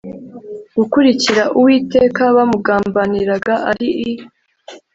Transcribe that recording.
gukurikira Uwiteka bamugambaniraga ari i